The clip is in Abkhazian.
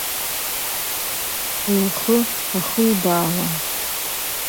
Лхы ахылбаауан.